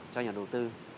cho nhà đầu tư